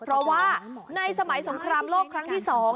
เพราะว่าในสมัยสงครามโลกครั้งที่๒